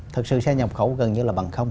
thực sự xe nhập khẩu gần như là bằng không